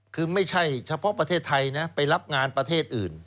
คือไม่ใช่เฉพาะประเทศไทยนะไปรับงานประเทศอื่น